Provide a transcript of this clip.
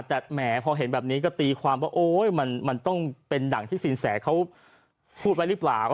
แต่แหมพอเห็นแบบนี้ก็ตีความว่าโอ้ยมันมันต้องเป็นด่างเตียงสินแสงที่เขาพูดไว้รึเปล่า